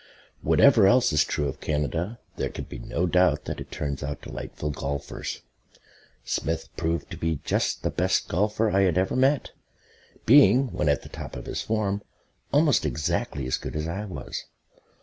Whatever else is true of Canada there can be no doubt that it turns out delightful golfers. Smith proved to be just the best golfer I had ever met, being, when at the top of his form, almost exactly as good as I was.